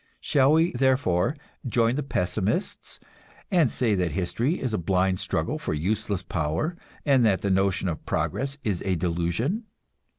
Shall we, therefore, join the pessimists and say that history is a blind struggle for useless power, and that the notion of progress is a delusion?